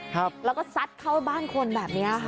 ครับแล้วก็ซัดเข้าบ้านคนแบบนี้ค่ะ